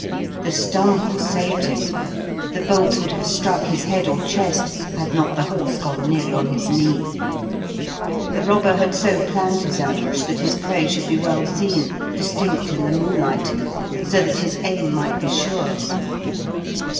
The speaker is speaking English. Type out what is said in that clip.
The stumble saved him; the bolt would have struck his head or chest had not the horse gone nearly on his knee. The robber had so planned his ambush that his prey should be well seen, distinct in the moonlight, so that his aim might be sure.